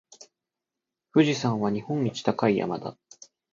富士山は日本一高い山だ。